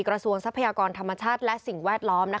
ทรัพยากรธรรมชาติและสิ่งแวดล้อม